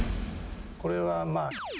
これはまあ。